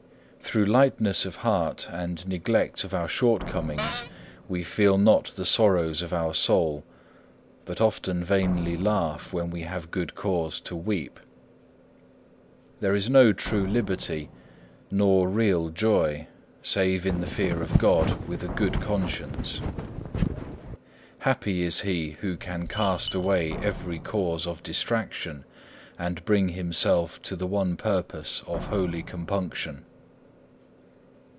2. Through lightness of heart and neglect of our shortcomings we feel not the sorrows of our soul, but often vainly laugh when we have good cause to weep. There is no true liberty nor real joy, save in the fear of God with a good conscience. Happy is he who can cast away every cause of distraction and bring himself to the one purpose of holy compunction.